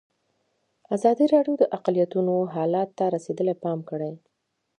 ازادي راډیو د اقلیتونه حالت ته رسېدلي پام کړی.